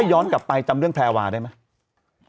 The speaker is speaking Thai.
ย้อนกลับไปจำเรื่องแพรวาได้ไหม